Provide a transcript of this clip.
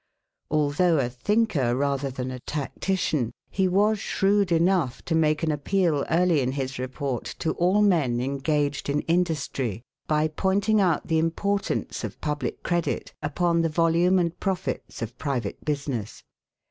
Although a thinker rather than a tactician, he was shrewd enough to make an appeal early in his report to all men engaged in industry by pointing out the importance of public credit upon the volume and profits of private business.